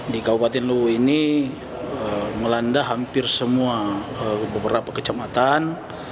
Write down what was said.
di kabupaten luwu ini melanda hampir semua beberapa kecamatan